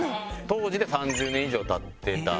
当時で３０年以上経ってた。